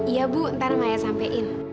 iya bu ntar maya sampein